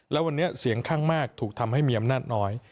แล้ววันนี้เสียงข้างมากถูกทำให้มีอำนาจน้อย